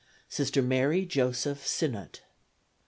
Sister Mary Joseph Sinnott.